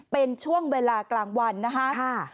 เป็นช่วงเวลากลางวันนะคะ